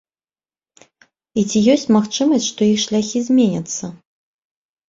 І ці ёсць магчымасць, што іх шляхі зменяцца.